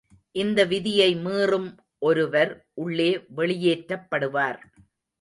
இந்த விதியை மீறும் ஒருவர் உள்ளே வெளியேற்றப்படுவார்.